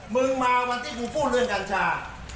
มึงมาวันที่กูพูดเรื่องกัญชา